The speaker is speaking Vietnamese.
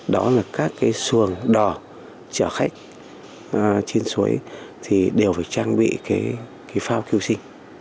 đó là các cái xuồng đỏ chở khách trên suối thì đều phải trang bị cái phao cứu sinh